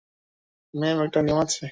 Ma'am, একটা নিয়ম আছে।